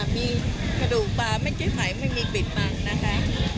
มีกระดูกปลาไม่เจ๊ไฝมันมีผิดบังนะคะ